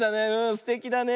すてきだね。